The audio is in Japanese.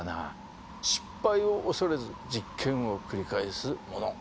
失敗を恐れず実験を繰り返すもの。